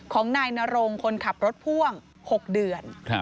ของนายนรงคนขับรถพ่วง๖เดือน